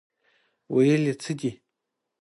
ویل یې څه دي.